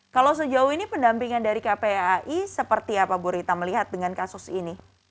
kalau sejauh ini pendampingan dari kpai seperti apa bu rita melihat dengan kasus ini